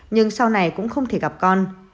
nhưng sau này cũng không thể gặp con